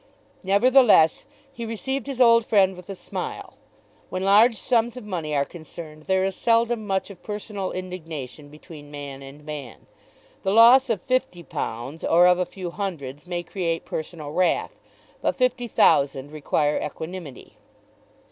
Nevertheless, he received his old friend with a smile. When large sums of money are concerned there is seldom much of personal indignation between man and man. The loss of fifty pounds or of a few hundreds may create personal wrath; but fifty thousand require equanimity.